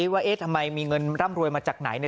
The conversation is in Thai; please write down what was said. ว่าเอ๊ะทำไมมีเงินร่ำรวยมาจากไหน